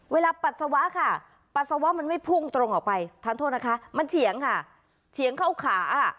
ปัสสาวะค่ะปัสสาวะมันไม่พุ่งตรงออกไปทานโทษนะคะมันเฉียงค่ะเฉียงเข้าขา